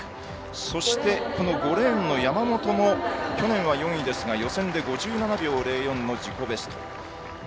そして５レーンの山本も去年は４位ですが予選で５７秒０４の自己ベスト。